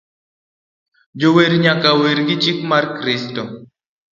Jower nyaka wer gi chik mar Kristo